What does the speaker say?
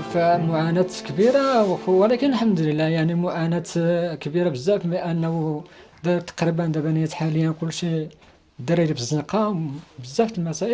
kedua putra sulungnya yang berada di lantai atas berhasil menyelamatkan diri keluar dari puing puing plafon dapur